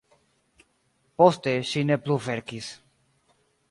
Poste ŝi ne plu verkis.